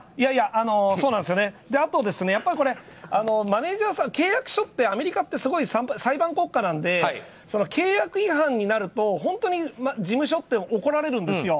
マネジャーさん、契約書ってアメリカはすごい、裁判国家なので契約違反になると本当に事務所って怒られるんですよ。